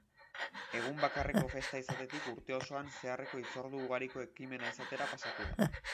Egun bakarreko festa izatetik urte osoan zeharreko hitzordu ugariko ekimena izatera pasatu da.